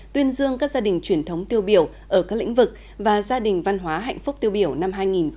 tuyên dương các gia đình truyền thống tiêu biểu ở các lĩnh vực và gia đình văn hóa hạnh phúc tiêu biểu năm hai nghìn một mươi chín